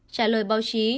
trả lời báo chí